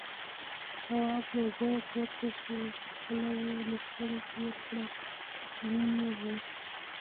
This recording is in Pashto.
تواب له اوبو پورته شو، پر خوله يې لستوڼی تېر کړ، وينې وه.